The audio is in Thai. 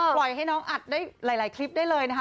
ปล่อยให้น้องอัดได้หลายคลิปได้เลยนะคะ